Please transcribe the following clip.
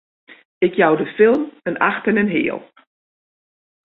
Ik jou de film in acht en in heal!